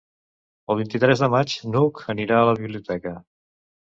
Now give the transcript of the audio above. El vint-i-tres de maig n'Hug anirà a la biblioteca.